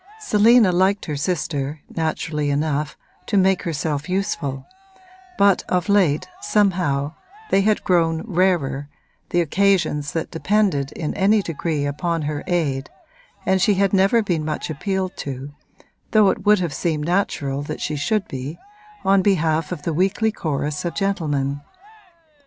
Selina liked her sister, naturally enough, to make herself useful, but of late, somehow, they had grown rarer, the occasions that depended in any degree upon her aid, and she had never been much appealed to though it would have seemed natural she should be on behalf of the weekly chorus of gentlemen.